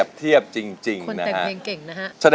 ชอบน้องตาชอบให้แม่ร้องเพลงให้ฟังหรือคะอเรนนี่ต้องร้องเพลง๑๙